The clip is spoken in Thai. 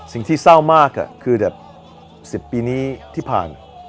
สิ่งที่เศร้ามากคือแบบ๑๐ปีนี้ที่ผ่าน